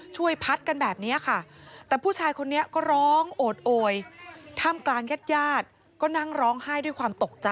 ช่วยพัดกันแบบนี้ค่ะ